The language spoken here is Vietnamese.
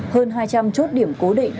hơn hai trăm linh chốt điểm cố định